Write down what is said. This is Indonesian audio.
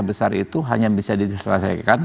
besar itu hanya bisa diselesaikan